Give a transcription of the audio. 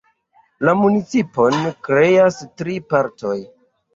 La municipon kreas tri partoj.